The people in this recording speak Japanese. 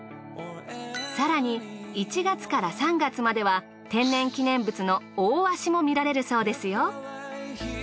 更に１月から３月までは天然記念物のオオワシも見られるそうですよ。